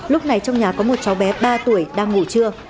lúc này trong nhà có một cháu bé ba tuổi đang ngủ trưa